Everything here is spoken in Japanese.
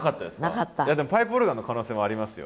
いやでもパイプオルガンの可能性もありますよ。